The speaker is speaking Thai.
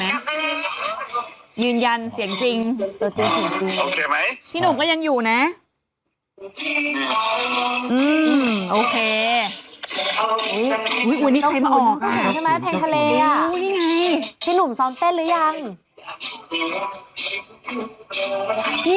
อ๋อนั่นแหละสิพี่โชงอ่ะอีกเก้าปีไม่ใช่เหรอไม่ถ้าถ้าพี่หนุ่มยังอยู่ก็ยังอยู่